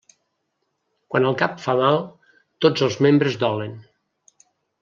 Quan el cap fa mal, tots els membres dolen.